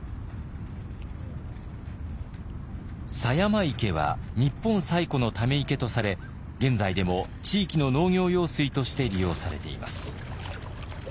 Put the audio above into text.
狭山池は日本最古のため池とされ現在でも地域の農業用水として利用されています。